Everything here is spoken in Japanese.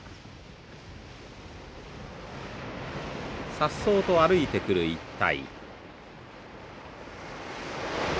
さっそうと歩いてくる一隊。